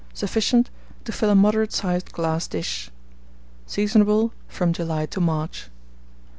Sufficient to fill a moderate sized glass dish. Seasonable from July to March.